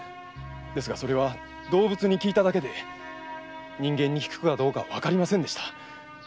ですが動物に効いただけで人間に効くかどうかわかりませんでした。